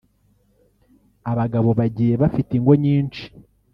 abagabo bagiye bafite ingo nyinshi